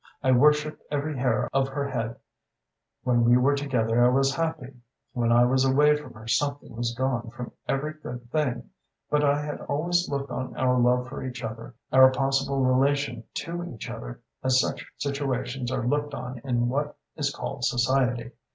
I worshipped every hair of her head when we were together I was happy, when I was away from her something was gone from every good thing; but I had always looked on our love for each other, our possible relation to each other, as such situations are looked on in what is called society.